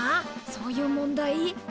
そういう問題？